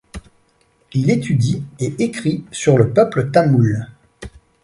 Il étudie et écrit sur le peuple tamoul.